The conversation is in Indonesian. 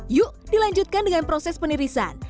yuk dilanjutkan dengan proses penirisan